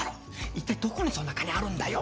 いったいどこにそんな金あるんだよ。